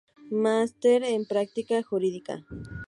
Máster en Práctica Jurídica.